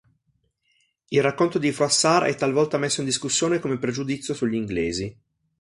Il racconto di Froissart è talvolta messo in discussione come pregiudizio sugli inglesi.